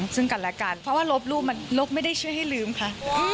ซึ่งกันและกันเพราะว่าลบรูปมันลบไม่ได้เชื่อให้ลืมค่ะ